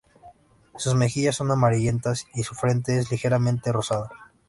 Sus mejillas son amarillentas y su frente es ligeramente rosada.